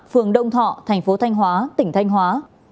phường đông thọ thành phố thanh hóa tỉnh thanh hóa